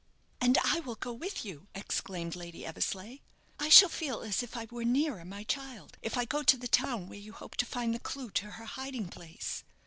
"And I will go with you," exclaimed Lady Eversleigh; "I shall feel as if I were nearer my child if I go to the town where you hope to find the clue to her hiding place."